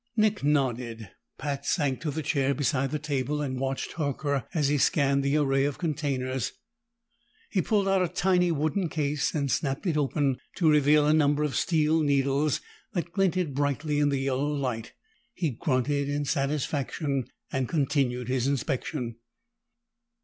Nick nodded. Pat sank to the chair beside the table and watched Horker as he scanned the array of containers. He pulled out a tiny wooden case and snapped it open to reveal a number of steel needles that glinted brightly in the yellow light. He grunted in satisfaction and continued his inspection.